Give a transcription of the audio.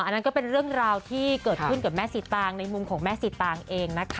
อันนั้นก็เป็นเรื่องราวที่เกิดขึ้นกับแม่สีตางในมุมของแม่สีตางเองนะคะ